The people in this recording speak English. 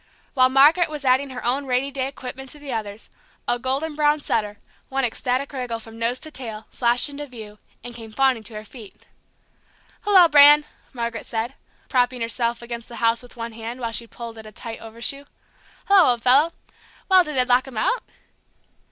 While Margaret was adding her own rainy day equipment to the others, a golden brown setter, one ecstatic wriggle from nose to tail, flashed into view, and came fawning to her feet. "Hello, Bran!" Margaret said, propping herself against the house with one hand, while she pulled at a tight overshoe. "Hello, old fellow! Well, did they lock him out?"